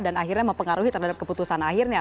dan akhirnya mempengaruhi terhadap keputusan akhirnya